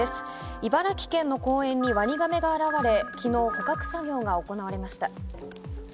茨城県の公園にワニガメが現れ、昨日、捕獲作業が行われました。